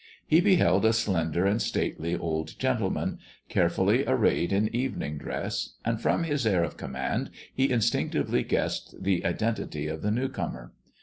He beheld a slender and stately old gentleman, carefully arrayed in evening dress, and from his air of command he instinctively guessed the identity of the new comer.